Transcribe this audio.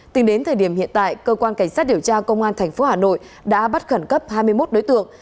tính đến thời điểm hiện tại cơ quan cảnh sát điều tra công an tp hà nội đã bắt khẩn cấp hai mươi một đối tượng